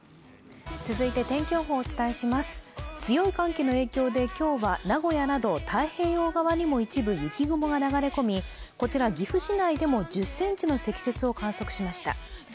続いて、天気予報をお伝えします強い寒気の影響で今日は名古屋など太平洋側にも一部雪雲が流れ込み、こちら岐阜市内でも１０ｃｍの積雪を観測しました。